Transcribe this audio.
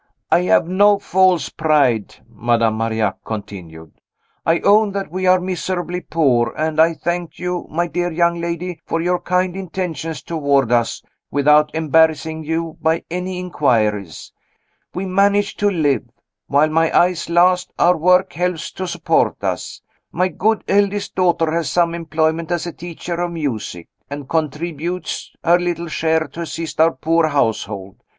"I have no false pride," Madame Marillac continued. "I own that we are miserably poor; and I thank you, my dear young lady, for your kind intentions toward us, without embarrassing you by any inquiries. We manage to live. While my eyes last, our work helps to support us. My good eldest daughter has some employment as a teacher of music, and contributes her little share to assist our poor household.